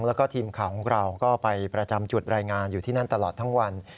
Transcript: แล้วก็ทีมข่าวของเราก็ไปประจำจุดรายงานอยู่ที่นั่นตลอดทั้งวัน